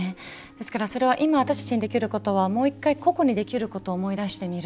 ですからそれは今私たちにできることはもう一回個々にできることを思い出してみる。